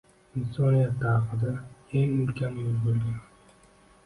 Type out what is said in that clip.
Insoniyat tarixida eng ulkan yo’l boʻlgan